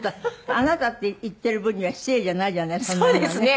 「あなた」って言ってる分には失礼じゃないじゃないそんなにはね。